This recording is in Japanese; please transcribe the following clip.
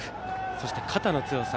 そして、肩の強さ。